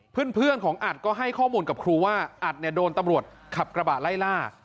เพื่อนของอัดก็ให้ข้อมูลกับครูว่าอัดเนี่ยโดนตำรวจขับกระบะไล่ล่า